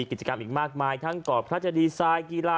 กิจกรรมอีกมากมายทั้งข่าวพระดิสัยกีฬา